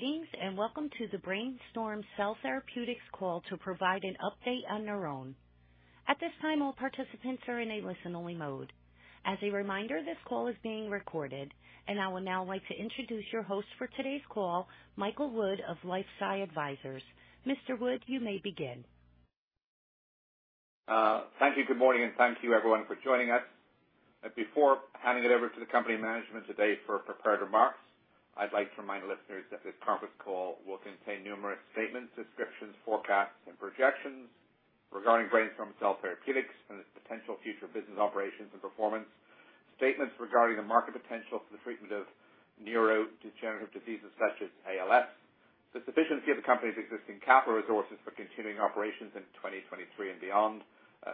Greetings, and welcome to the BrainStorm Cell Therapeutics call to provide an update on NurOwn. At this time, all participants are in a listen-only mode. As a reminder, this call is being recorded, and I would now like to introduce your host for today's call, Michael Wood of LifeSci Advisors. Mr. Wood, you may begin. Thank you. Good morning, and thank you everyone for joining us. Before handing it over to the company management today for prepared remarks, I'd like to remind listeners that this conference call will contain numerous statements, descriptions, forecasts, and projections regarding BrainStorm Cell Therapeutics and its potential future business operations and performance. Statements regarding the market potential for the treatment of neurodegenerative diseases such as ALS, the sufficiency of the company's existing capital resources for continuing operations in 2023 and beyond,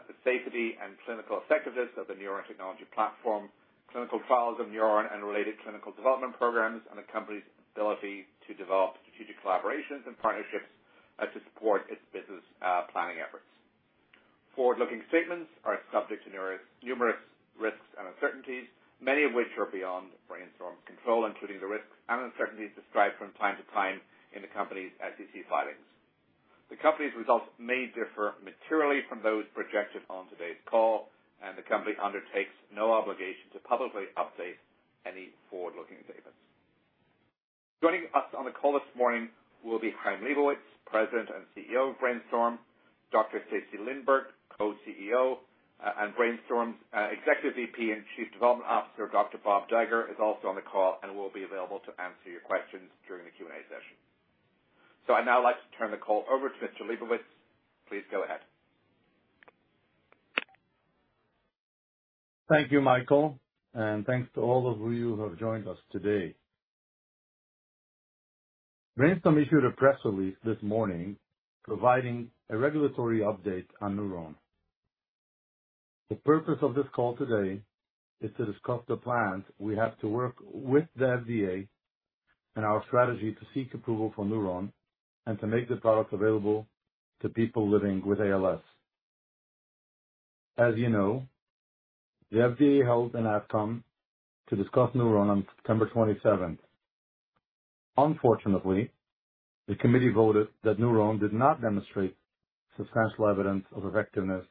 the safety and clinical effectiveness of the NurOwn technology platform, clinical trials of NurOwn and related clinical development programs, and the company's ability to develop strategic collaborations and partnerships to support its business planning efforts. Forward-looking statements are subject to numerous, numerous risks and uncertainties, many of which are beyond BrainStorm's control, including the risks and uncertainties described from time to time in the company's SEC filings. The company's results may differ materially from those projected on today's call, and the company undertakes no obligation to publicly update any forward-looking statements. Joining us on the call this morning will be Chaim Lebovits, President and CEO of BrainStorm, Dr. Stacy Lindborg, Co-CEO, and BrainStorm's Executive VP and Chief Development Officer, Dr. Bob Dagher, is also on the call and will be available to answer your questions during the Q&A session. So I'd now like to turn the call over to Mr. Lebovits. Please go ahead. Thank you, Michael, and thanks to all of you who have joined us today. BrainStorm issued a press release this morning providing a regulatory update on NurOwn. The purpose of this call today is to discuss the plans we have to work with the FDA and our strategy to seek approval for NurOwn and to make the product available to people living with ALS. As you know, the FDA held an AdCom to discuss NurOwn on September 27. Unfortunately, the committee voted that NurOwn did not demonstrate substantial evidence of effectiveness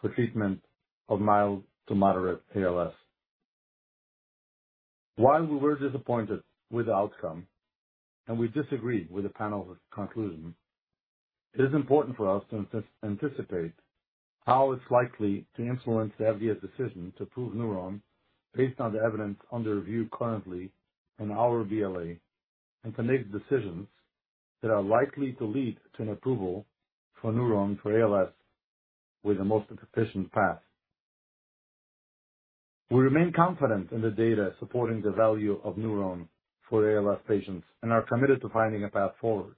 for treatment of mild to moderate ALS. While we were disappointed with the outcome, and we disagreed with the panel's conclusion, it is important for us to anticipate how it's likely to influence the FDA's decision to approve NurOwn based on the evidence under review currently in our BLA, and to make decisions that are likely to lead to an approval for NurOwn for ALS with the most efficient path. We remain confident in the data supporting the value of NurOwn for ALS patients and are committed to finding a path forward.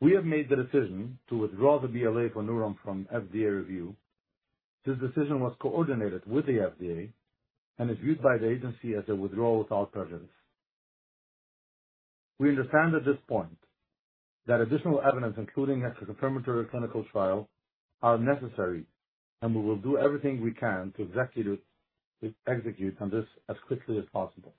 We have made the decision to withdraw the BLA for NurOwn from FDA review. This decision was coordinated with the FDA and is viewed by the agency as a withdrawal without prejudice. We understand at this point that additional evidence, including a confirmatory clinical trial, are necessary, and we will do everything we can to execute on this as quickly as possible.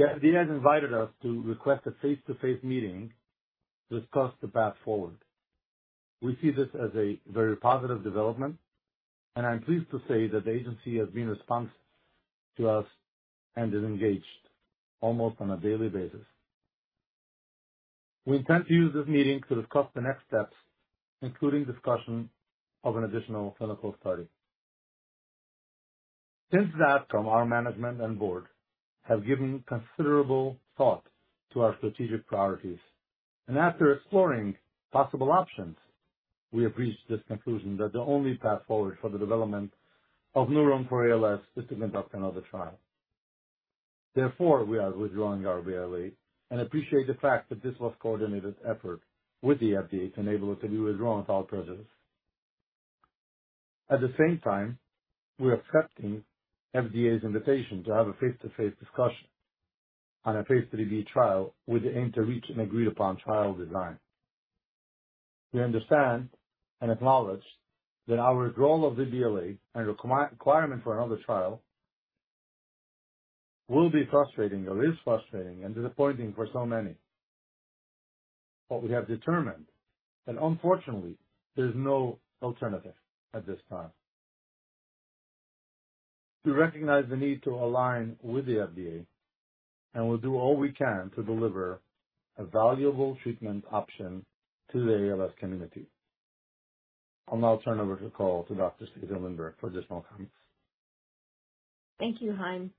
The FDA has invited us to request a face-to-face meeting to discuss the path forward. We see this as a very positive development, and I'm pleased to say that the agency has been responsive to us and is engaged almost on a daily basis. We intend to use this meeting to discuss the next steps, including discussion of an additional clinical study. Since that time, our management and board have given considerable thought to our strategic priorities, and after exploring possible options, we have reached this conclusion that the only path forward for the development of NurOwn for ALS is to conduct another trial. Therefore, we are withdrawing our BLA and appreciate the fact that this was a coordinated effort with the FDA to enable us to do withdraw without prejudice. At the same time, we're accepting FDA's invitation to have a face-to-face discussion on a Phase III B trial with the aim to reach an agreed-upon trial design. We understand and acknowledge that our withdrawal of the BLA and the requirement for another trial will be frustrating or is frustrating and disappointing for so many. But we have determined that, unfortunately, there's no alternative at this time. We recognize the need to align with the FDA, and we'll do all we can to deliver a valuable treatment option to the ALS community. I'll now turn over the call to Dr. Stacy Lindborg for additional comments. Thank you, Chaim.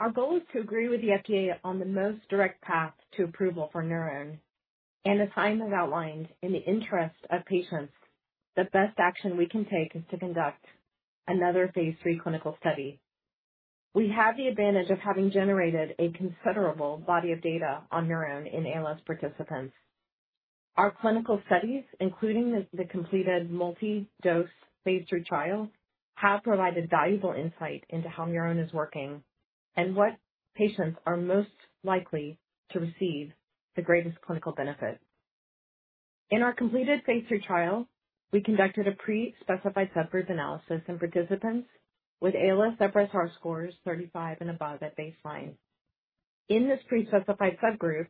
Our goal is to agree with the FDA on the most direct path to approval for NurOwn, and as Chaim has outlined, in the interest of patients, the best action we can take is to conduct another phase 3 clinical study. We have the advantage of having generated a considerable body of data on NurOwn in ALS participants. Our clinical studies, including the completed multi-dose phase 3 trial, have provided valuable insight into how NurOwn is working and what patients are most likely to receive the greatest clinical benefit.... In our completed phase 3 trial, we conducted a pre-specified subgroup analysis in participants with ALSFRS-R scores 35 and above at baseline. In this pre-specified subgroup,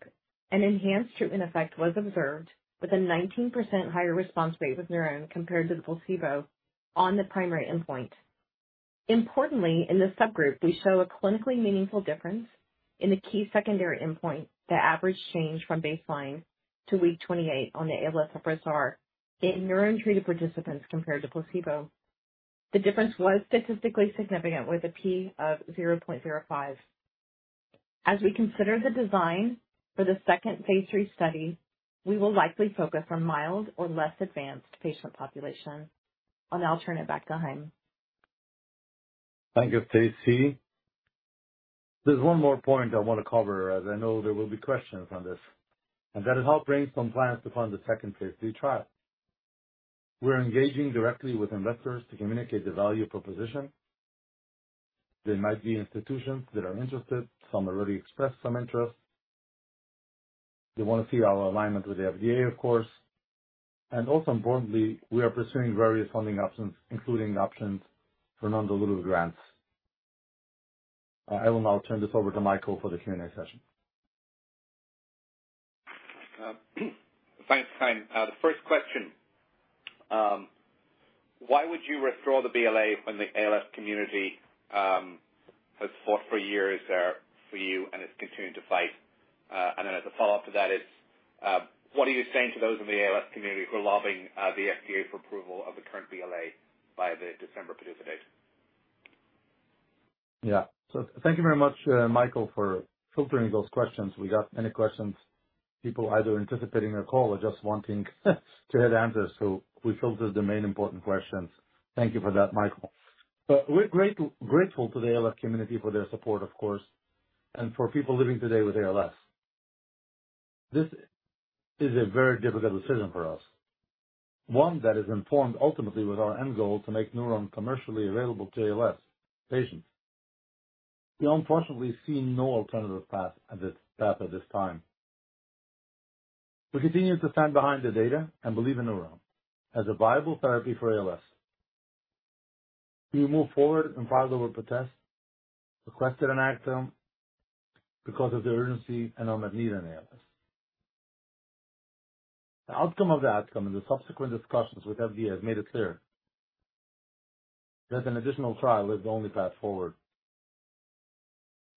an enhanced treatment effect was observed with a 19% higher response rate with NurOwn compared to the placebo on the primary endpoint. Importantly, in this subgroup, we show a clinically meaningful difference in the key secondary endpoint, the average change from baseline to week 28 on the ALSFRS-R in neuron-treated participants compared to placebo. The difference was statistically significant, with a P of 0.05. As we consider the design for the second phase 3 study, we will likely focus on mild or less advanced patient population. I'll turn it back to Chaim. Thank you, Stacy. There's one more point I want to cover, as I know there will be questions on this, and that is how BrainStorm plans to fund the second Phase 3 trial. We're engaging directly with investors to communicate the value proposition. There might be institutions that are interested. Some already expressed some interest. They want to see our alignment with the FDA, of course, and also importantly, we are pursuing various funding options, including options for non-dilutive grants. I will now turn this over to Michael for the Q&A session. Thanks, Chaim. The first question, why would you withdraw the BLA when the ALS community has fought for years for you and is continuing to fight? And then as a follow-up to that is, what are you saying to those in the ALS community who are lobbying the FDA for approval of the current BLA by the December PDUFA date? Yeah. So thank you very much, Michael, for filtering those questions. We got many questions, people either anticipating the call or just wanting to have answers. So we filtered the main important questions. Thank you for that, Michael. But we're grateful, grateful to the ALS community for their support, of course, and for people living today with ALS. This is a very difficult decision for us, one that is informed ultimately with our end goal to make NurOwn commercially available to ALS patients. We unfortunately see no alternative path at this path at this time. We continue to stand behind the data and believe in NurOwn as a viable therapy for ALS. We moved forward and filed a protest, requested an AdCom because of the urgency and unmet need in ALS. The outcome of the AdCom and the subsequent discussions with FDA has made it clear that an additional trial is the only path forward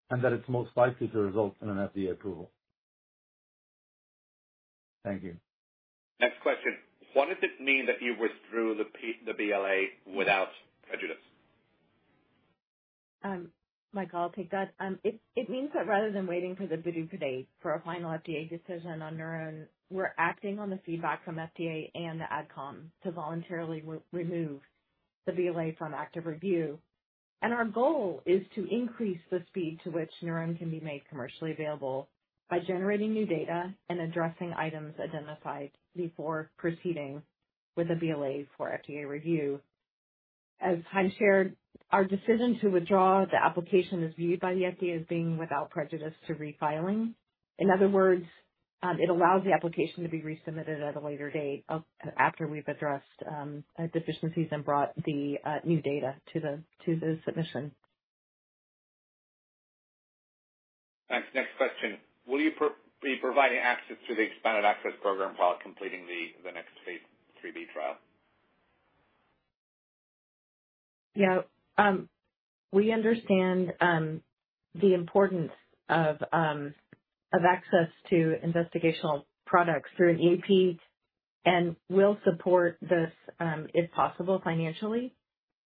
and that it's most likely to result in an FDA approval. Thank you. Next question: What does it mean that you withdrew the BLA without prejudice? Mike, I'll take that. It means that rather than waiting for the due date for a final FDA decision on NurOwn, we're acting on the feedback from FDA and the AdCom to voluntarily re-remove the BLA from active review. Our goal is to increase the speed to which NurOwn can be made commercially available by generating new data and addressing items identified before proceeding with a BLA for FDA review. As Chaim shared, our decision to withdraw the application is viewed by the FDA as being without prejudice to refiling. In other words, it allows the application to be resubmitted at a later date after we've addressed deficiencies and brought the new data to the submission. Thanks. Next question: Will you provide access to the expanded access program while completing the next Phase 3b trial? Yeah. We understand the importance of access to investigational products through an EAP and will support this, if possible, financially.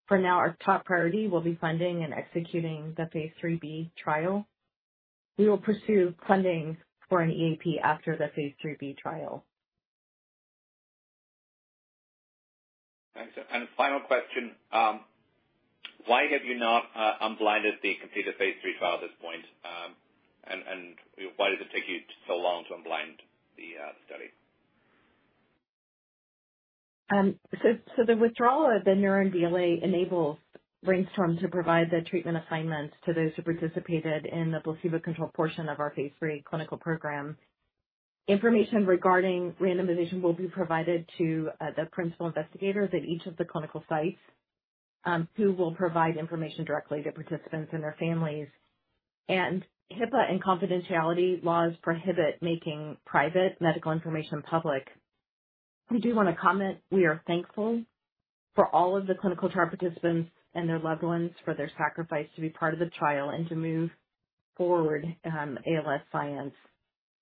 For now, our top priority will be funding and executing the phase 3b trial. We will pursue funding for an EAP after the phase 3b trial. Thanks. And final question: Why have you not unblinded the completed Phase 3 trial at this point? And why did it take you so long to unblind the study? So, so the withdrawal of the NurOwn BLA enables BrainStorm to provide the treatment assignments to those who participated in the placebo-controlled portion of our phase 3 clinical program. Information regarding randomization will be provided to the principal investigators at each of the clinical sites, who will provide information directly to participants and their families. And HIPAA and confidentiality laws prohibit making private medical information public. We do want to comment, we are thankful for all of the clinical trial participants and their loved ones, for their sacrifice to be part of the trial and to move forward, ALS science.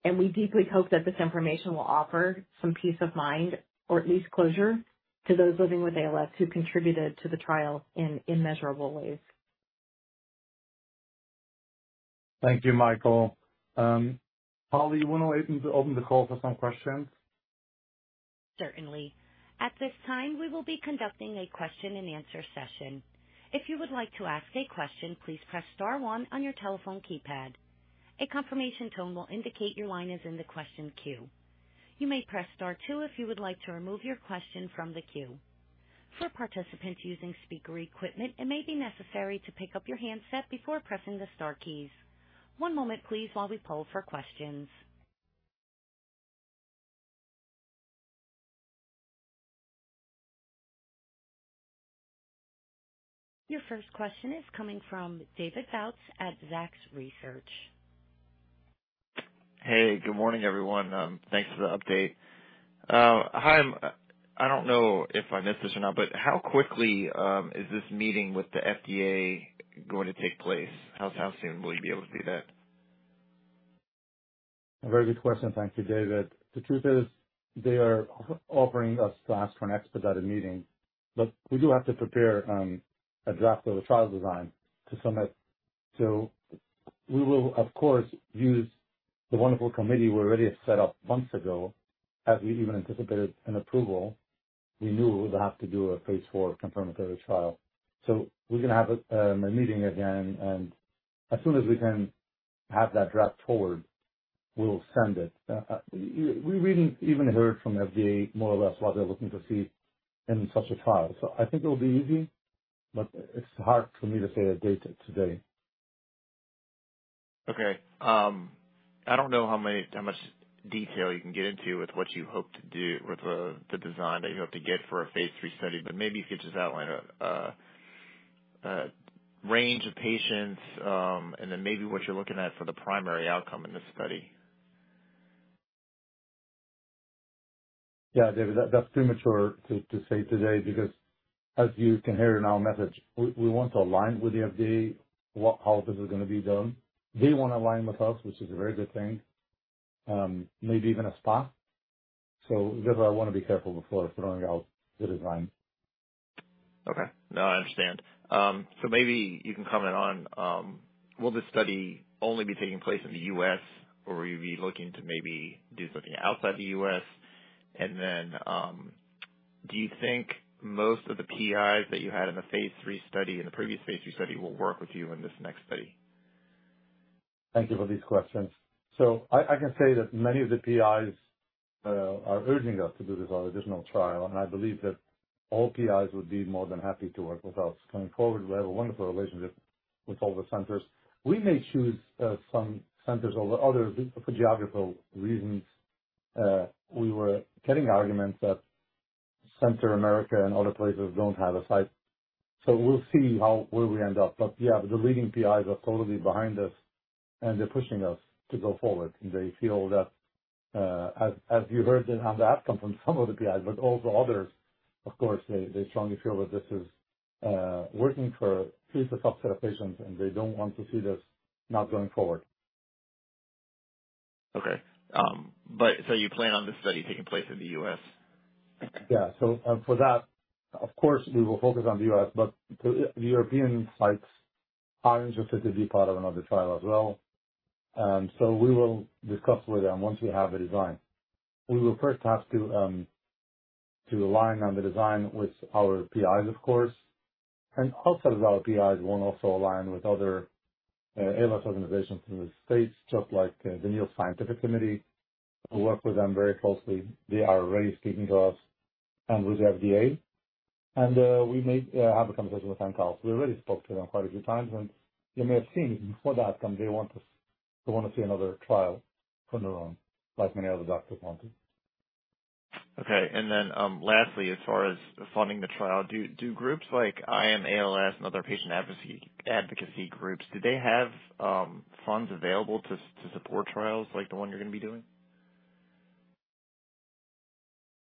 And we deeply hope that this information will offer some peace of mind, or at least closure, to those living with ALS who contributed to the trial in immeasurable ways. Thank you, Michael. Holly, you want to open the call for some questions? Certainly. At this time, we will be conducting a question and answer session. If you would like to ask a question, please press star one on your telephone keypad. A confirmation tone will indicate your line is in the question queue. You may press star two if you would like to remove your question from the queue.... For participants using speaker equipment, it may be necessary to pick up your handset before pressing the star keys. One moment please while we poll for questions. Your first question is coming from David Bautz at Zacks Research. Hey, good morning, everyone. Thanks for the update. Chaim, I don't know if I missed this or not, but how quickly is this meeting with the FDA going to take place? How, how soon will you be able to do that? A very good question. Thank you, David. The truth is, they are offering us to ask for an expedited meeting, but we do have to prepare a draft of the trial design to submit. So we will, of course, use the wonderful committee we already set up months ago. As we even anticipated an approval, we knew we would have to do a phase 4 confirmatory trial. So we're going to have a meeting again, and as soon as we can have that draft forward, we'll send it. We even heard from FDA more or less, what they're looking to see in such a trial. So I think it will be easy, but it's hard for me to say a date today. Okay. I don't know how much detail you can get into with what you hope to do with the design that you hope to get for a phase three study, but maybe if you could just outline a range of patients, and then maybe what you're looking at for the primary outcome in this study. Yeah, David, that's premature to say today, because as you can hear in our message, we want to align with the FDA, what, how this is going to be done. They want to align with us, which is a very good thing, maybe even a SPA. So that's why I want to be careful before throwing out the design. Okay. No, I understand. So maybe you can comment on, will this study only be taking place in the U.S., or will you be looking to maybe do something outside the U.S.? And then, do you think most of the PIs that you had in the phase three study, in the previous phase three study, will work with you in this next study? Thank you for these questions. So I, I can say that many of the PIs are urging us to do this additional trial, and I believe that all PIs would be more than happy to work with us going forward. We have a wonderful relationship with all the centers. We may choose some centers over others for geographical reasons. We were getting arguments that Central America and other places don't have a site, so we'll see how, where we end up. But, yeah, the leading PIs are totally behind us, and they're pushing us to go forward. They feel that, as you heard on the outcome from some of the PIs, but also others, of course, they strongly feel that this is working for a specific subset of patients, and they don't want to see this not going forward. Okay. But so you plan on this study taking place in the U.S.? Yeah. So, for that, of course, we will focus on the U.S., but the European sites are interested to be part of another trial as well. So we will discuss with them once we have the design. We will first have to align on the design with our PIs, of course, and also our PIs will align with other ALS organizations in the States, just like the NEALS Scientific Committee, who work with them very closely. They are already speaking to us and with the FDA, and we may have a conversation with them. We already spoke to them quite a few times, and you may have seen before the outcome, they want to see another trial on their own, like many other doctors want to. Okay. And then, lastly, as far as funding the trial, do groups like I AM ALS and other patient advocacy groups do they have funds available to support trials like the one you're going to be doing?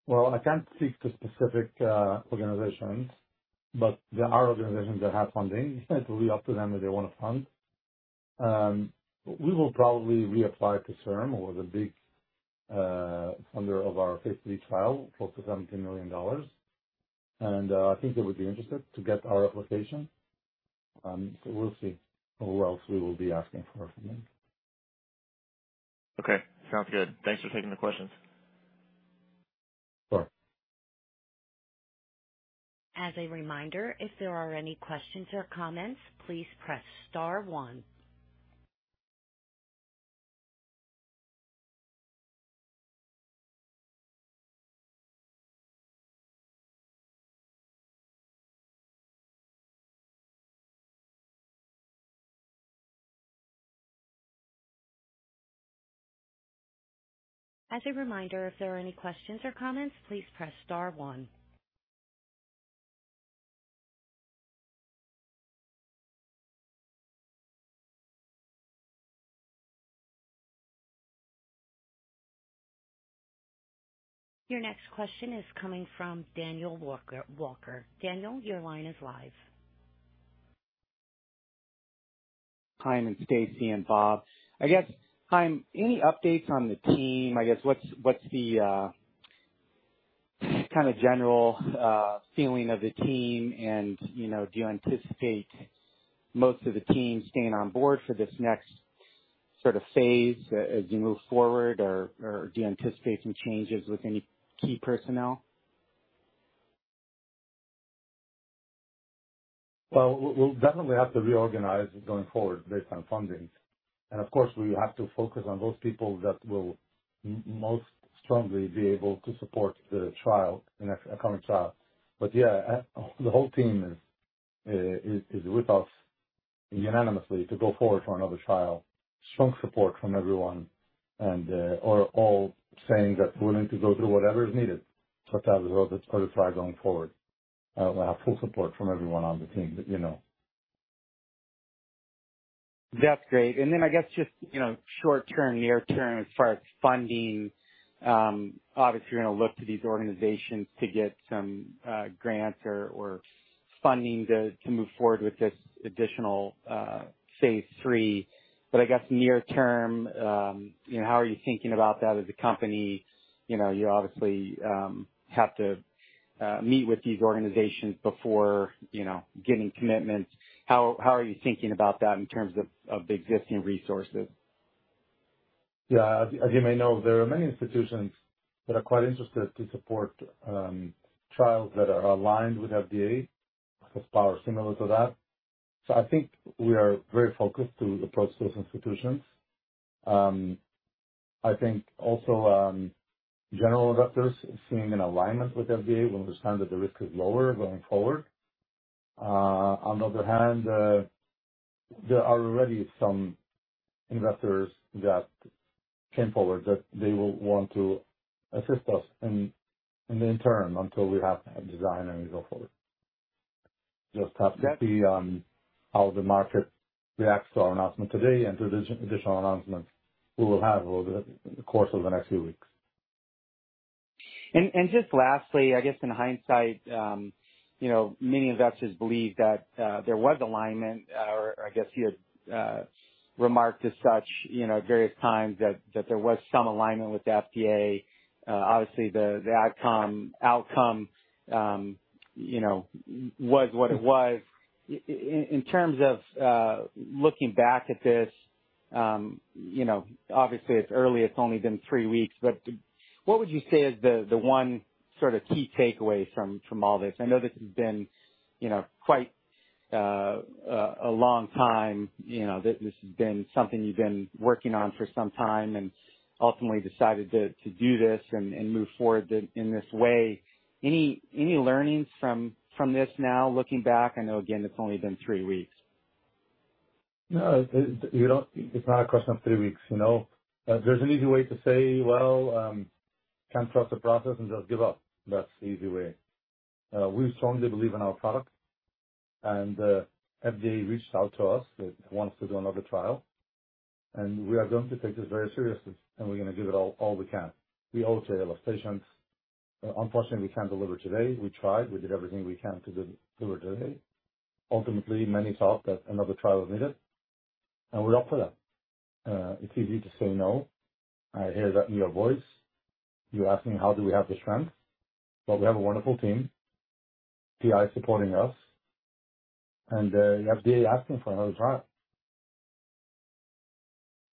Well, I can't speak to specific organizations, but there are organizations that have funding. It will be up to them if they want to fund. We will probably reapply to CIRM, who was a big funder of our phase three trial for $17 million. And I think they would be interested to get our application. So we'll see who else we will be asking for funding. Okay, sounds good. Thanks for taking the questions. Sure. As a reminder, if there are any questions or comments, please press star one. As a reminder, if there are any questions or comments, please press star one. Your next question is coming from Daniel Walker. Daniel, your line is live. Hi, Chaim, Stacy and Bob. I guess, Chaim, any updates on the team? I guess, what's the kind of general feeling of the team, and, you know, do you anticipate most of the team staying on board for this next sort of phase as you move forward, or do you anticipate some changes with any key personnel?... Well, we'll definitely have to reorganize going forward based on funding. And of course, we have to focus on those people that will most strongly be able to support the trial, the next upcoming trial. But yeah, the whole team is with us unanimously to go forward for another trial. Strong support from everyone, and are all saying that we're willing to go through whatever is needed for the FDA or the trial going forward. I have full support from everyone on the team, you know. That's great. And then I guess just, you know, short term, near term, as far as funding, obviously you're going to look to these organizations to get some, grants or funding to move forward with this additional Phase 3. But I guess near term, you know, how are you thinking about that as a company? You know, you obviously have to meet with these organizations before, you know, getting commitments. How are you thinking about that in terms of the existing resources? Yeah. As you may know, there are many institutions that are quite interested to support trials that are aligned with FDA, as power similar to that. So I think we are very focused to approach those institutions. I think also, general investors, seeing an alignment with FDA, will understand that the risk is lower going forward. On the other hand, there are already some investors that came forward that they will want to assist us in the interim, until we have a design and we go forward. Just have to see how the market reacts to our announcement today and to the additional announcements we will have over the course of the next few weeks. Just lastly, I guess in hindsight, you know, many investors believe that there was alignment, or I guess you had remarked as such, you know, at various times that there was some alignment with the FDA. Obviously the outcome, you know, was what it was. In terms of looking back at this, you know, obviously it's early, it's only been three weeks, but what would you say is the one sort of key takeaway from all this? I know this has been, you know, quite a long time, you know, this has been something you've been working on for some time and ultimately decided to do this and move forward in this way. Any learnings from this now, looking back? I know again, it's only been three weeks. No, you don't—it's not a question of three weeks, you know. There's an easy way to say, well, can't trust the process and just give up. That's the easy way. We strongly believe in our product, and FDA reached out to us. It wants to do another trial, and we are going to take this very seriously, and we're going to give it all, all we can. We owe it to our patients. Unfortunately, we can't deliver today. We tried. We did everything we can to deliver today. Ultimately, many thought that another trial was needed, and we're up for that. It's easy to say no. I hear that in your voice. You're asking how do we have the strength? Well, we have a wonderful team, PI supporting us, and you have FDA asking for another trial.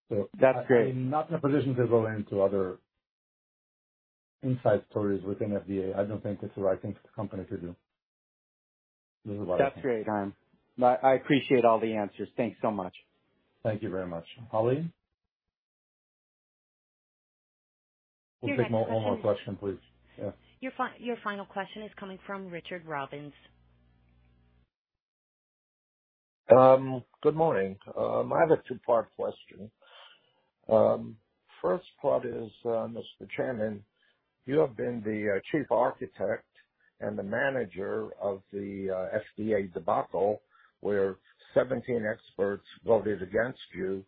So- That's great. I'm not in a position to go into other inside stories within FDA. I don't think it's the right thing for the company to do. That's great. I appreciate all the answers. Thanks so much. Thank you very much. Holly? We'll take one more question, please. Yeah. Your final question is coming from Richard Robbins. Good morning. I have a two-part question. First part is, Mr. Chairman, you have been the chief architect and the manager of the FDA debacle, where 17 experts voted against you.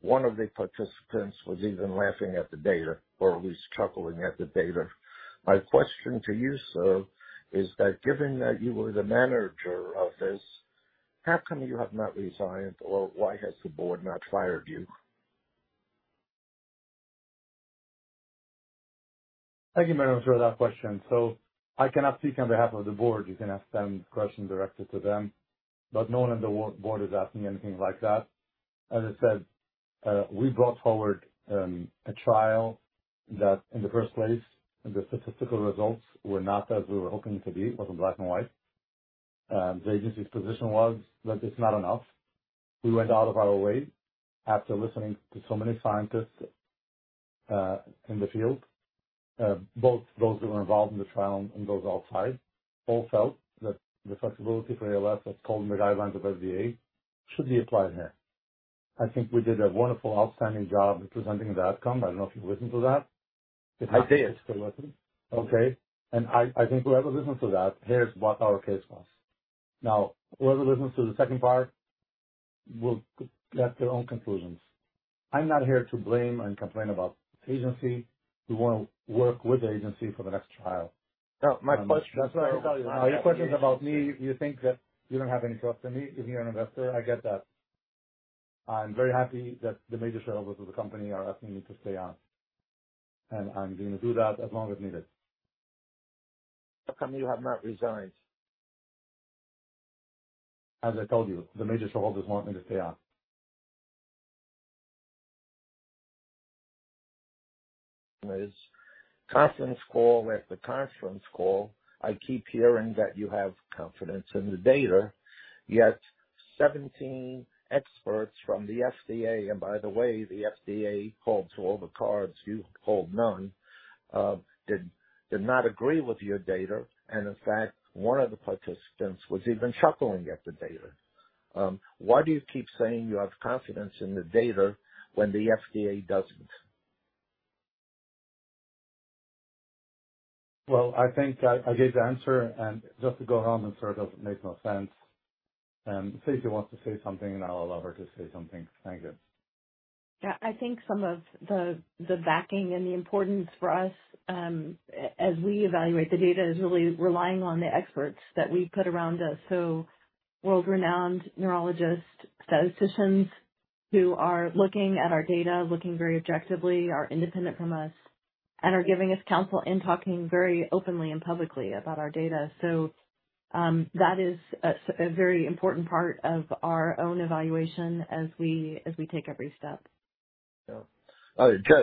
One of the participants was even laughing at the data or at least chuckling at the data. My question to you, sir, is that given that you were the manager of this, how come you have not resigned, or why has the board not fired you? Thank you, sir, for that question. So I cannot speak on behalf of the board. You can ask them questions directly to them, but no one on the board is asking anything like that. As I said, we brought forward a trial that in the first place, the statistical results were not as we were hoping to be. It wasn't black and white. The agency's position was that it's not enough. We went out of our way after listening to so many scientists in the field, both those who were involved in the trial and those outside, both felt that the flexibility for ALS, as per the guidelines of FDA, should be applied here. I think we did a wonderful, outstanding job representing the outcome. I don't know if you've listened to that. I did. Okay. And I think whoever listens to that hears what our case was. Now, whoever listens to the second part will get their own conclusions. I'm not here to blame and complain about the agency. We want to work with the agency for the next trial. No, my question- Your question is about me. You think that you don't have any trust in me. You're an investor. I get that. I'm very happy that the major shareholders of the company are asking me to stay on, and I'm going to do that as long as needed. How come you have not resigned? As I told you, the major shareholders want me to stay on. ... This is conference call after conference call, I keep hearing that you have confidence in the data, yet 17 experts from the FDA, and by the way, the FDA holds all the cards, you hold none, did not agree with your data. In fact, one of the participants was even chuckling at the data. Why do you keep saying you have confidence in the data when the FDA doesn't? Well, I think I gave the answer. Just to go around in circles makes no sense. Stacy wants to say something, and I'll allow her to say something. Thank you. Yeah. I think some of the, the backing and the importance for us, as we evaluate the data, is really relying on the experts that we've put around us. So world-renowned neurologist, statisticians, who are looking at our data, looking very objectively, are independent from us, and are giving us counsel and talking very openly and publicly about our data. So, that is a very important part of our own evaluation as we, as we take every step. Yeah.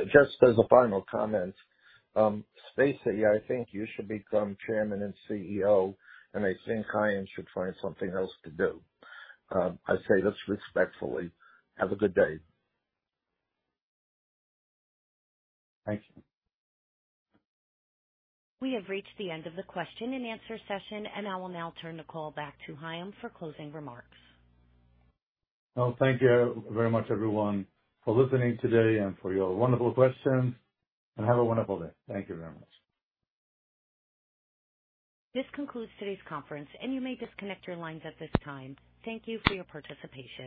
Just as a final comment, Stacy, I think you should become chairman and CEO, and I think Chaim should find something else to do. I say this respectfully. Have a good day. Thank you. We have reached the end of the question and answer session, and I will now turn the call back to Chaim for closing remarks. Well, thank you very much, everyone, for listening today and for your wonderful questions, and have a wonderful day. Thank you very much. This concludes today's conference, and you may disconnect your lines at this time. Thank you for your participation.